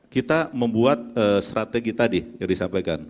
kita membuat strategi tadi yang disampaikan